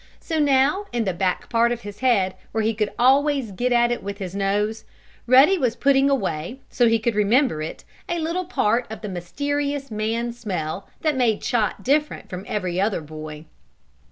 So, now, in the back part of his head, where he could always get at it with his nose, Ruddy was putting away, so he could remember it, a little part of the mysterious man smell that made Chot different from every other boy.